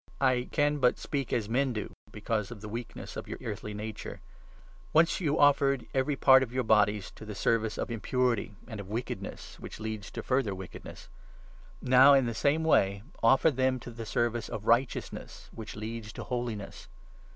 I can but speak as men do 19 because of the weakness of your earthly nature. Once you offered every part of your bodies to the service of impurity, and of wickedness, which leads to further wickedness. Now, in the same way, offer them to the service of Righteousness, which leads to holiness.